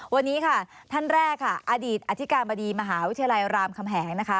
วันนี้ค่ะท่านแรกค่ะอดีตอธิการบดีมหาวิทยาลัยรามคำแหงนะคะ